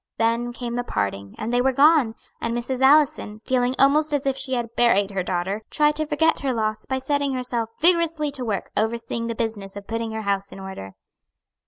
Then came the parting, and they were gone; and Mrs. Allison, feeling almost as if she had buried her daughter, tried to forget her loss by setting herself vigorously to work overseeing the business of putting her house in order.